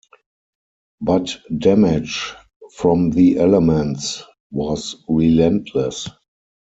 But damage from the elements was relentless.